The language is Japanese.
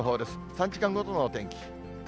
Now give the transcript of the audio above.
３時間ごとのお天気。